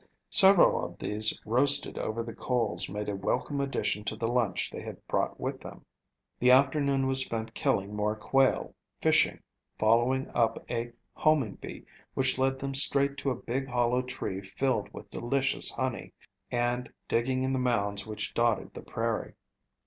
Several of these roasted over the coals made a welcome addition to the lunch they had brought with them. The afternoon was spent killing more quail, fishing, following up a homing bee which led them straight to a big hollow tree filled with delicious honey, and digging in the mounds which dotted the prairie.